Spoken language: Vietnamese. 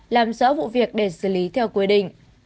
làm rõ vụ việc để xử lý theo quy định